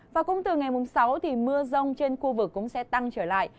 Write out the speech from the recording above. và cũng từ ngày sáu thì mưa rông trên khu vực cũng sẽ tăng trở lại